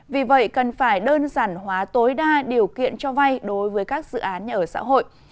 vì vậy cần phải đơn giản hóa tối đa điều kiện cho vay đối với các dự án nhà ở xã hội